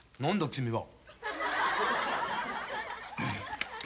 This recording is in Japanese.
君は。